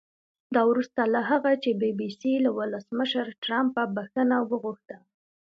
دا وروسته له هغه چې بي بي سي له ولسمشر ټرمپه بښنه وغوښته